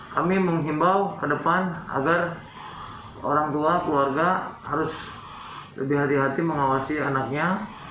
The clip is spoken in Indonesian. kami menghimbau ke depan agar orang tua keluarga harus lebih hati hati mengawasi anaknya